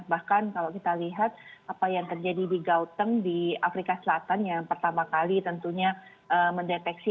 bahkan kalau kita lihat apa yang terjadi di gauteng di afrika selatan yang pertama kali tentunya mendeteksi